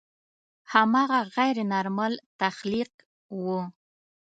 هماغه غیر نارمل تخلیق و.